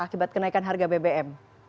akibat kenaikan harga bbm